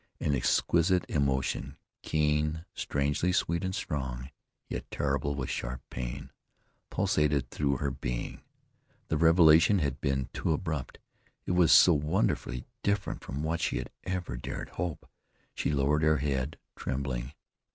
An exquisite emotion, keen, strangely sweet and strong, yet terrible with sharp pain, pulsated through her being. The revelation had been too abrupt. It was so wonderfully different from what she had ever dared hope. She lowered her head, trembling.